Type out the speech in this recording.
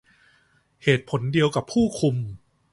เหตุผลเดียวกับผู้คุม